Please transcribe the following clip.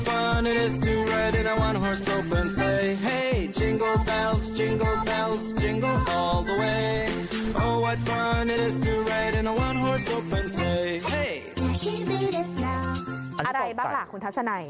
อันนี้กรอกไก่อะไรบ้างล่ะคุณทัศนัย